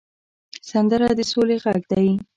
سندره د سولې غږ دی